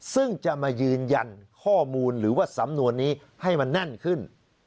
ซึ่งจะมายืนยันข้อมูลหรือว่าสำนวนนี้ให้มันแน่นขึ้น